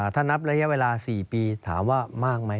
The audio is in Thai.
ถ้านับระยะเวลา๔ปีถามว่ามากไหม